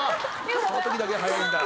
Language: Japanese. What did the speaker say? その時だけは早いんだ。